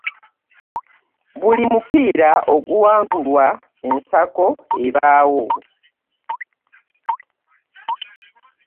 Buli mupiira oguwangulwa ensako ebaawo.